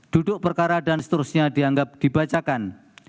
duduk perkara dan seterusnya dianggap dibacakan